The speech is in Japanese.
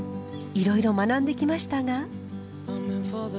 いろいろ学んできましたが。